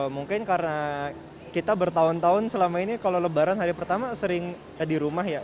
mungkin karena kita bertahun tahun selama ini kalau lebaran hari pertama sering di rumah ya